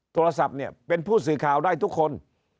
โทรศัพท์เนี่ยเป็นผู้สื่อข่าวได้ทุกคน